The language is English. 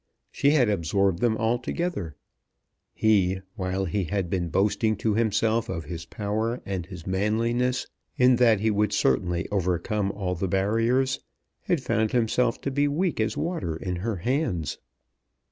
She had absorbed them altogether. He, while he had been boasting to himself of his power and his manliness, in that he would certainly overcome all the barriers, had found himself to be weak as water in her hands.